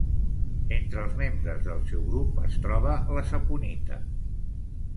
Entre els membres del seu grup es troba la saponita.